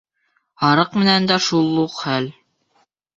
Һарыҡ менән дә шул уҡ хәл.